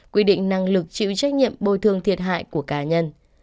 quy định năng lực chịu trách nhiệm bồi thường thiệt hại của cá nhân